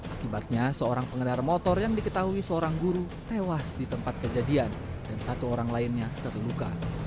akibatnya seorang pengendara motor yang diketahui seorang guru tewas di tempat kejadian dan satu orang lainnya terluka